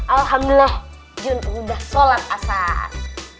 alhamdulillah jun udah sholat asar